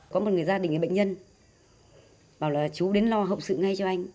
có một gia đình bệnh nhân bảo là chú đến lo hộp sự ngay cho anh